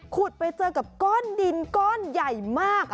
ไปเจอกับก้อนดินก้อนใหญ่มาก